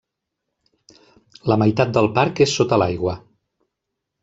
La meitat del parc és sota l'aigua.